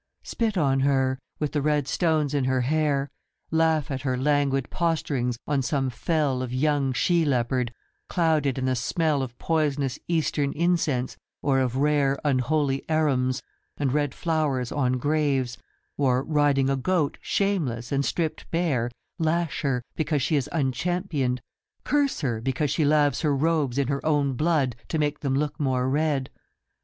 Spit on her, with the red stones in her hair ; Laugh at her languid posturings on some fell Of young she leopard ; clouded in the smell Of poisonous Eastern incense, or of rare Unholy arums, and red flowers on graves, Or, riding a goat shameless and stripped bare Lash her, because she is unchampioned ; Curse her, because she laves Her robes in her own blood to make them look more red. 73 Pandemos.